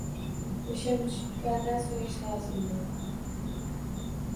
O’sha mushtipardan so’rash lozim bu —